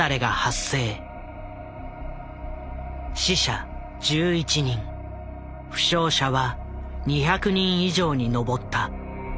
死者１１人負傷者は２００人以上に上った。